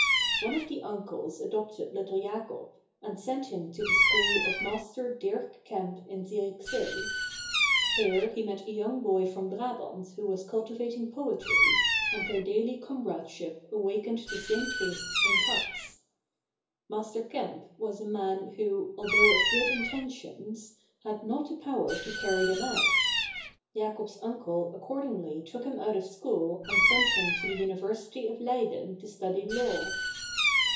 One of the uncles adopted little Jacob, and sent him to the school of Master Dirk Kemp in Zierikzee. Here he met a young boy from Brabant who was cultivating poetry, and their daily comradeship awakened the same tastes in Cats. Master Kemp was a man who, although of good intentions, had not the power to carry them out; Jacob's uncle accordingly took him out of school and sent him to the University of Leyden to study law.